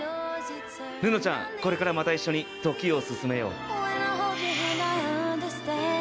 布ちゃんこれからまた一緒に時を進めよう。